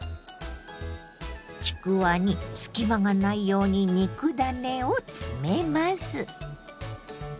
ちくわに隙間がないように肉ダネを詰めます。